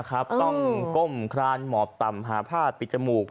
ก้มคลานหมอบต่ำหาผ้าปิดจมูก